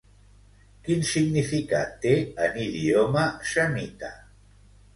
Quin significat té en idioma semita?